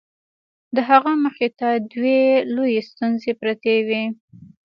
د هغه مخې ته دوې لويې ستونزې پرتې وې.